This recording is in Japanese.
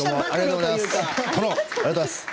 ありがとうございます。